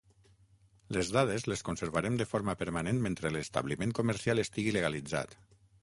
Les dades les conservarem de forma permanent mentre l'establiment comercial estigui legalitzat.